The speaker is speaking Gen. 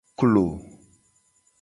Klo.